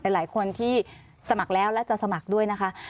หลายคนที่สมัครแล้วและจะสมัครด้วยนะคะ